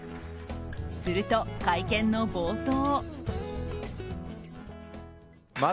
すると、会見の冒頭。